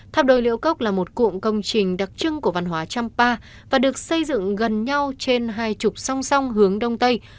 tháp đôi liễu cốc là một cụm công trình đặc trưng của văn hóa champa và được xây dựng gần nhau trên hai trục song song hướng đông tây